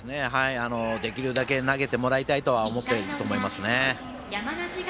できるだけ投げてもらいたいとは思っていると思います。